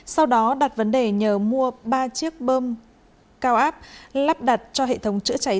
sau đó đặt vấn đề nhờ mua ba chiếc bơm cao áp lắp đặt cho hệ thống chữa cháy